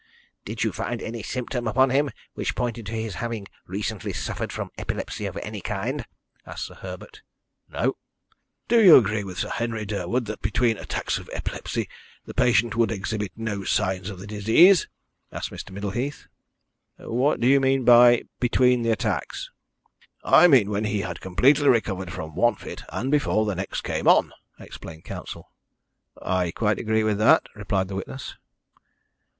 "Did you find any symptom upon him which pointed to his having recently suffered from epilepsy of any kind?" asked Sir Herbert. "No." "Do you agree with Sir Henry Durwood that between attacks of epilepsy the patient would exhibit no signs of the disease?" asked Mr. Middleheath. "What do you mean by between the attacks?" "I mean when he had completely recovered from one fit and before the next came on," explained counsel. "I quite agree with that," replied the witness.